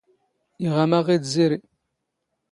ⵉⵖⴰⵎⴰ ⵖⵉⴷ ⵣⵉⵔⵉ.